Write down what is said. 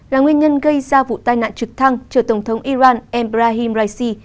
là nguyên nhân gây ra vụ tai nạn trực thăng cho tổng thống iran ebrahim raisi